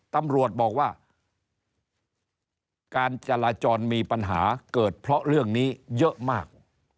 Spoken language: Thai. ตำรวจบอกว่าการจราจรมีปัญหาเกิดเพราะเรื่องนี้เยอะมาก